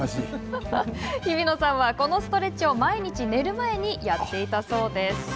日比野さんは、このストレッチを毎日寝る前にやっていたそうです。